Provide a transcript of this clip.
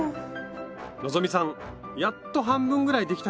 希さんやっと半分ぐらいできたかな？